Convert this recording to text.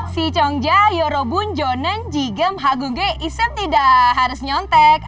si congja yoro bun jonen jigem hagungge isem tidak harus nyontek